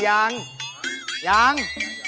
ยัง